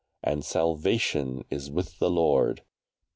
And salvation is with the Lord.